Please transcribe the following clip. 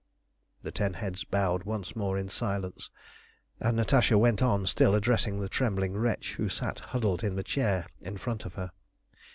The ten heads bowed once more in silence, and Natasha went on still addressing the trembling wretch who sat huddled in the chair in front of her.